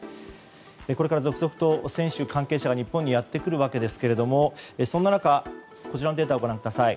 これから続々と選手、関係者が日本にやってくるわけですがそんな中、こちらのデータをご覧ください。